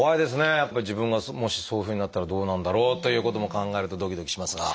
やっぱり自分がもしそういうふうになったらどうなんだろうということも考えるとドキドキしますが。